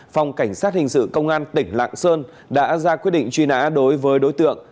phòng cảnh sát hình sự công an tỉnh lạng sơn đã ra quyết định truy nã đối với đối tượng